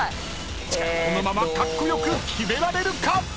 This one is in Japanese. ［このままカッコ良く決められるか⁉］